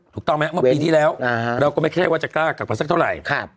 ถูกต้องไหมเมื่อปีที่แล้วเราก็ไม่แค่ว่าจะกล้ากลับมาสักเท่าไหร่